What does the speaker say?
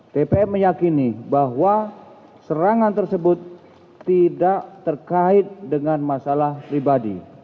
tpm meyakini bahwa serangan tersebut tidak terkait dengan masalah pribadi